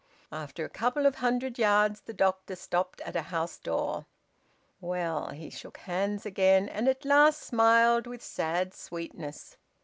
After a couple of hundred yards the doctor stopped at a house door. "Well " He shook hands again, and at last smiled with sad sweetness.